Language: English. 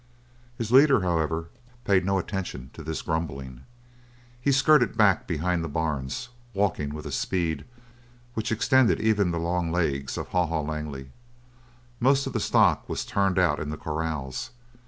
His leader, however, paid no attention to this grumbling. He skirted back behind the barns, walking with a speed which extended even the long legs of Haw Haw Langley. Most of the stock was turned out in the corrals.